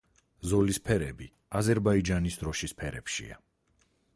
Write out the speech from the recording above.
ზოლის ფერები აზერბაიჯანის დროშის ფერებშია.